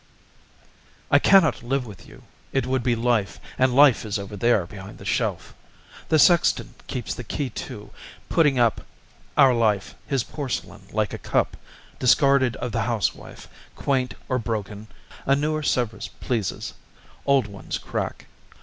I cannot live with you, It would be life, And life is over there Behind the shelf The sexton keeps the key to, Putting up Our life, his porcelain, Like a cup Discarded of the housewife, Quaint or broken; A newer Sevres pleases, Old ones crack.